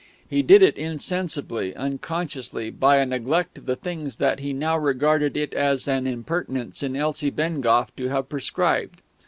He did it insensibly, unconsciously, by a neglect of the things that he now regarded it as an impertinence in Elsie Bengough to have prescribed.